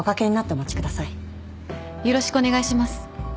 よろしくお願いします。